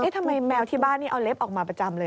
ทำไมแมวที่บ้านนี่เอาเล็บออกมาประจำเลย